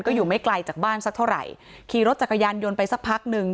ก็อยู่ไม่ไกลจากบ้านสักเท่าไหร่ขี่รถจักรยานยนต์ไปสักพักหนึ่ง